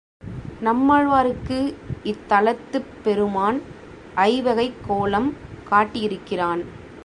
நம்மாழ்வாருக்கு இத்தலத்துப் பெருமான் ஐவகைக் கோலம் காட்டியிருக்கிறான்.